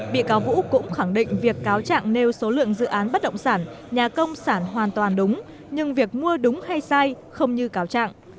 bị cáo vũ cũng khẳng định việc cáo trạng nêu số lượng dự án bất động sản nhà công sản hoàn toàn đúng nhưng việc mua đúng hay sai không như cáo trạng